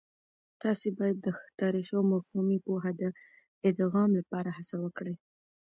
تاسې باید د تاريخي او مفهومي پوهه د ادغام لپاره هڅه وکړئ.